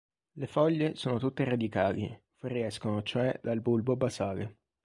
Le foglie sono tutte radicali, fuoriescono cioè dal bulbo basale.